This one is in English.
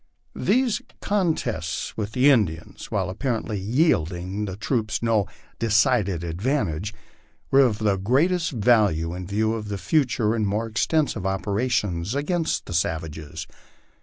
These contests with the Indians, while apparently yielding the troops no de cided advantage, were of the greatest value in view of future and more exten sive operations against the savages.